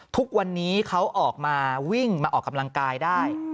ทุกวันนี้เขาออกมาวิ่งมาออกกำลังกายได้